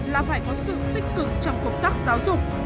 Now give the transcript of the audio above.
là phải có sự tích cực trong công tác giáo dục